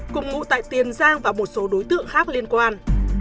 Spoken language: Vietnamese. cùng ngụ tại tiền giang và một số đối tượng khác liên quan